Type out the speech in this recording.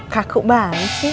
kakuk banget sih